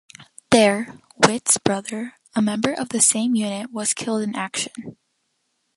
There, Witt's brother, a member of the same unit, was killed in action.